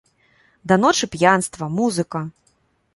Да ночы п'янства, музыка!